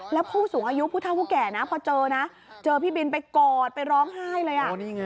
แล้วผู้สูงอายุผู้เท่าผู้แก่นะพอเจอนะเจอพี่บินไปกอดไปร้องไห้เลยอ่ะ